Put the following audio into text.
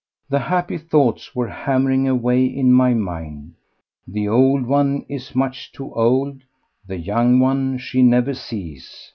The happy thoughts were hammering away in my mind: "The old one is much too old—the young one she never sees!"